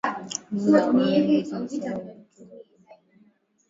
Ng'ombe kondoo mbuzi na swala huambukizwa ugonjwa huu